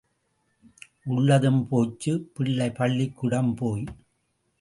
உள்ளதும் போச்சு, பிள்ளை பள்ளிக்கூடம் போய்.